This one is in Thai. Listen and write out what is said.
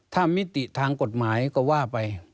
ถ้ามิติทางกฎหมายก็ว่าไป